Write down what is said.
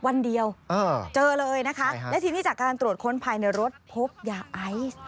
วันเดียวเจอเลยนะคะและทีนี้จากการตรวจค้นภายในรถพบยาไอซ์